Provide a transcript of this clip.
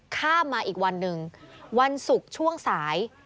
ข้ามมาอีกวันหนึ่งวันศุกร์ช่วงสาย